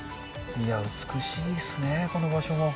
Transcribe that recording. いや、美しいですね、この場所も。